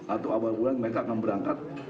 atau awal bulan mereka akan berangkat